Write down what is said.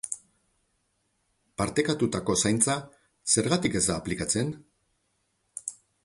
Partekatutako zaintza zergatik ez da aplikatzen?